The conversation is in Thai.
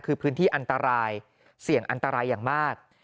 คือพื้นที่อันตรายเสี่ยงอันตรายอย่างมาก